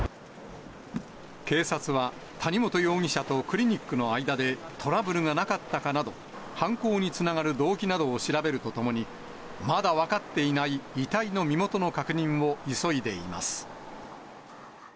警察は谷本容疑者とクリニックの間で、トラブルがなかったかなど、犯行につながる動機などを調べるとともに、まだ分かっていない遺体の身元の確認を急いでいます。